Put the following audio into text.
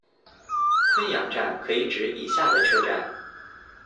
昆阳站可以指以下的车站：